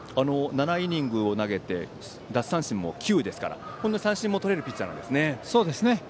７イニングを投げて奪三振も９ですから三振もとれるピッチャーなんですね。